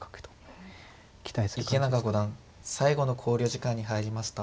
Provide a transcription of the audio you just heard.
池永五段最後の考慮時間に入りました。